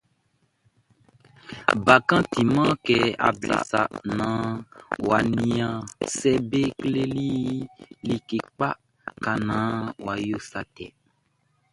Bakanʼn timan kɛ able sa naan wʼa nian sɛ be kleli i like kpa ka naan wʼa yo sa tɛ.